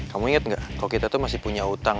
kamu ingat nggak kalau kita tuh masih punya utang